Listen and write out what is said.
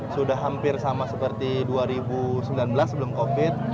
sudah hampir sama seperti dua ribu sembilan belas sebelum covid